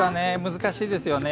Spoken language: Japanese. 難しいですよね。